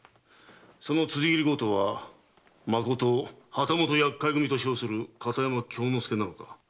その辻斬り強盗はまこと旗本厄介組と称する片山京之介なのか？